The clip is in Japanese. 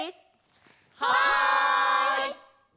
はい！